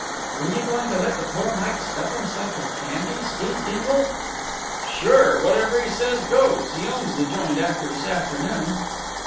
"Were you going to let the poor mite stuff himself with candy, Steve Dingle?" "Sure. Whatever he says goes. He owns the joint after this afternoon."